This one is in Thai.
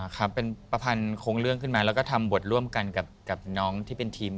ครับเป็นประพันธ์โค้งเรื่องขึ้นมาแล้วก็ทำบทร่วมกันกับน้องที่เป็นทีม